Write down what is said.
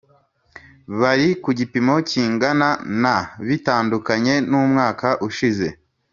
bari ku gipimo kingana na bitandukanye n umwaka ushize